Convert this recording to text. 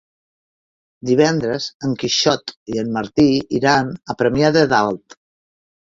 Divendres en Quixot i en Martí iran a Premià de Dalt.